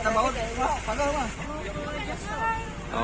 kita bawa ke pagal ma